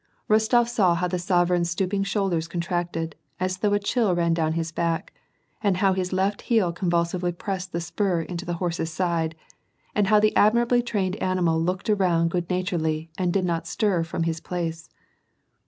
Bostof saw how the sovereign's stooping shoulders contracted, as though a chill ran down his back, and how his left heel con vulsively pressed the spur into the horse's side, and bow the admirably trained animal looked around good naturedly anc^ did not stir from his place.